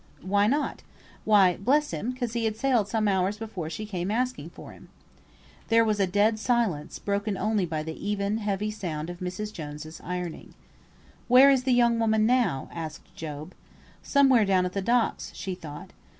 "Why not?" "Why, bless you, 'cause he had sailed some hours before she came asking for him." There was a dead silence, broken only by the even, heavy sound of Mrs. Jones's ironing. "Where is the young woman now?" asked Job. "Somewhere down at the docks," she thought.